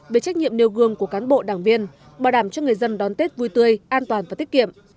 về trách nhiệm nêu gương của cán bộ đảng viên bảo đảm cho người dân đón tết vui tươi an toàn và tiết kiệm